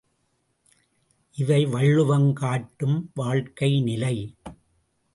இவை வள்ளுவம் காட்டும் வாழ்க்கை நிலை.